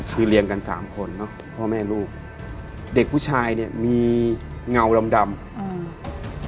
คือเรียนกันสามคนเนอะพ่อแม่ลูกเด็กผู้ชายเนี้ยมีเงาดำดำอืม